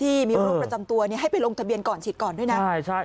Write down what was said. ที่มีโรคประจำตัวให้ไปลงทะเบียนก่อนฉีดก่อนด้วยนะใช่ใช่